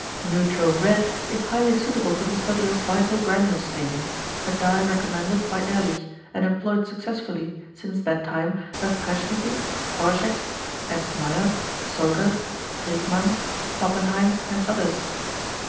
=Neutral red= is highly suitable for the study of vital granule staining, a dye recommended by Ehrlich, and employed successfully since that time by Przesmycki, Prowazek, S. Mayer, Solger, Friedmann, Pappenheim and others.